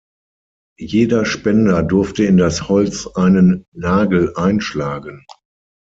Jeder Spender durfte in das Holz einen Nagel einschlagen.